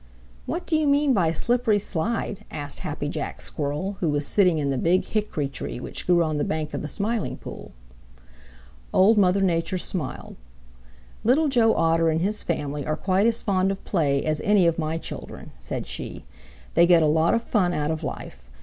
"What do you mean by a slippery slide?" asked Happy Jack Squirrel, who was sitting in the Big Hickory tree which grew on the bank of the Smiling Pool. Old Mother Nature smiled. "Little Joe Otter and his family are quite as fond of play as any of my children," said she. "They get a lot of fun out of life.